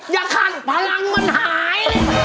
อย่าทันพลังมันหาย